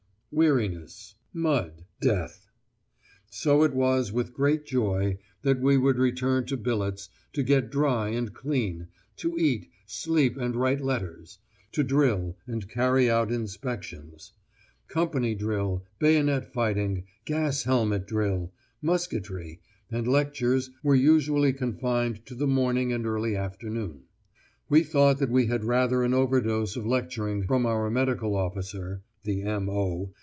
Weariness. Mud. Death. So it was with great joy that we would return to billets, to get dry and clean, to eat, sleep, and write letters; to drill, and carry out inspections. Company drill, bayonet fighting, gas helmet drill, musketry, and lectures were usually confined to the morning and early afternoon. We thought that we had rather an overdose of lecturing from our medical officer (the M.O.)